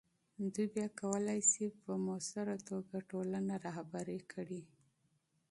دوی بیا کولی سي په مؤثره توګه ټولنه رهبري کړي.